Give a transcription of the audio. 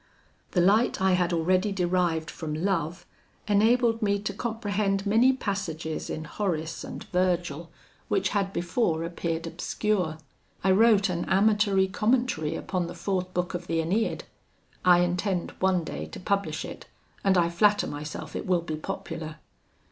The light I had already derived from love, enabled me to comprehend many passages in Horace and Virgil which had before appeared obscure. I wrote an amatory commentary upon the fourth book of the AEneid. I intend one day to publish it, and I flatter myself it will be popular.